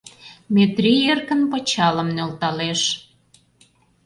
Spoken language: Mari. Метрий эркын пычалым нӧлталеш.